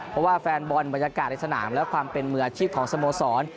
เพราะว่าแฟนบอลบรรยากาศในสนามและความเป็นมืออาชีพของสโมสร